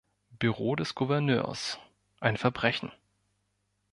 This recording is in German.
Büro des Gouverneurs, ein Verbrechen.